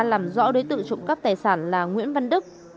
làm rõ đối tượng trộm cắp tài sản là nguyễn văn đức